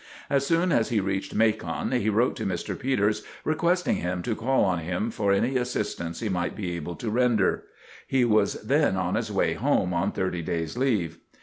As soon as he reached Macon, he wrote to Mr. Peters requesting him to call on him for any assistance he might be able to render. He was then on his way home on thirty days' leave.